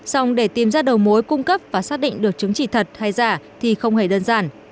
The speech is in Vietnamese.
xong để tìm ra đầu mối cung cấp và xác định được chứng chỉ thật hay giả thì không hề đơn giản